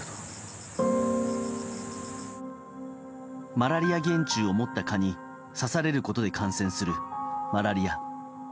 マラリア原虫を持った蚊に刺されることで感染するマラリア。